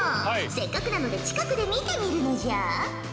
せっかくなので近くで見てみるのじゃ。